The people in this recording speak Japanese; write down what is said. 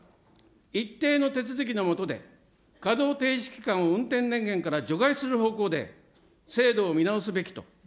一定の手続きのもとで、稼働停止期間を運転年限から除外する方向で制度を見直すべきと。